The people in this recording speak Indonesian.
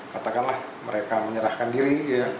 katakanlah mereka menyerahkan diri